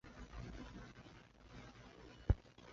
工业上的氢氟酸是通过用酸分解磷灰石获得的。